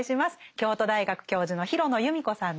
京都大学教授の廣野由美子さんです。